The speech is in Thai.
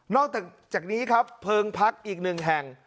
จากนี้ครับเพลิงพักอีกหนึ่งแห่ง